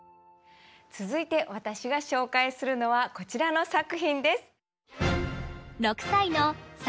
続いて私が紹介するのはこちらの作品です。